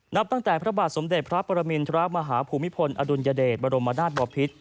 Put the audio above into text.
นับตั้งแต่พระบาลสมเด็จพระประมินทรมาภูมิพลอธบรมนาตบภิษฐ์